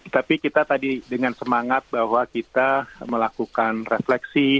tapi kita tadi dengan semangat bahwa kita melakukan refleksi